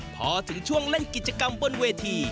พอถึงช่วงเล่นกิจกรรมบนเวที